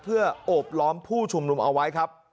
เพื่อโอบล้อมผู้ชุมนุมเอาไว้ครับ